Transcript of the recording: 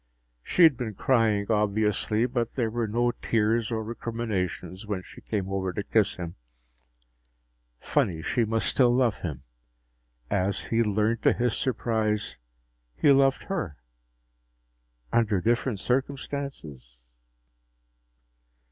She had been crying, obviously, but there were no tears or recriminations when she came over to kiss him. Funny, she must still love him as he'd learned to his surprise he loved her. Under different circumstances